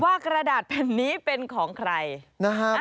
ว่ากระดาษแผ่นนี้เป็นของใคร